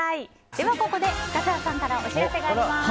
では、ここで深澤さんからお知らせがあります。